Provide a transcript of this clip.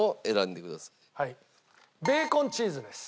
ベーコンチーズです。